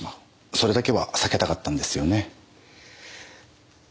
それだけは避けたかったんですよね？